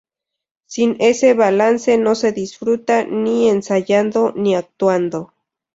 Sin ese balance no se disfruta ni ensayando ni actuando.